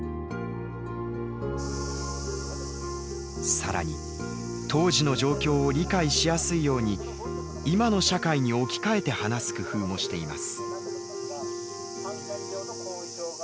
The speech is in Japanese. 更に当時の状況を理解しやすいように今の社会に置き換えて話す工夫もしています。